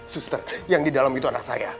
suster yang di dalam itu anak saya